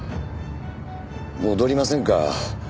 戻りませんか？